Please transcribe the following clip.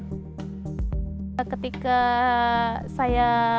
ketika saya presentasikan bahwasannya nanti